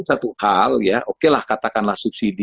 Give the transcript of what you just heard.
satu hal ya okelah katakanlah subsidi